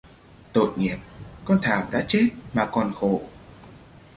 Tội nghiệp con Thảo đã chết mà còn khổ